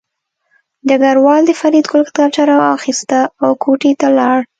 ډګروال د فریدګل کتابچه راواخیسته او کوټې ته لاړ